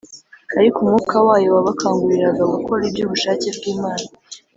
, ariko Umwuka wayo wabakanguriraga gukora iby’ubushake bw’Imana